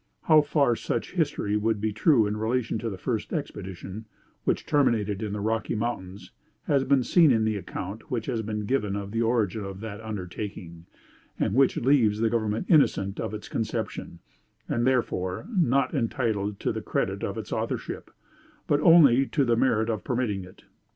How far such history would be true in relation to the first expedition, which terminated in the Rocky Mountains, has been seen in the account which has been given of the origin of that undertaking, and which leaves the government innocent of its conception; and, therefore, not entitled to the credit of its authorship, but only to the merit of permitting it.